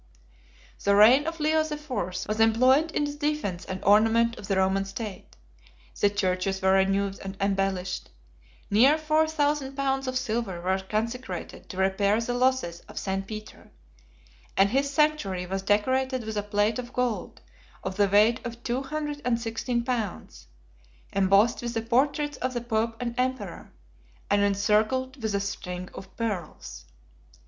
The reign of Leo the Fourth was employed in the defence and ornament of the Roman state. The churches were renewed and embellished: near four thousand pounds of silver were consecrated to repair the losses of St. Peter; and his sanctuary was decorated with a plate of gold of the weight of two hundred and sixteen pounds, embossed with the portraits of the pope and emperor, and encircled with a string of pearls.